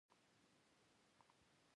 لکه بل څوک بل ځوان بله پیغله بل سړی.